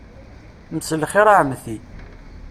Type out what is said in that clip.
Mselxir a Ɛemti.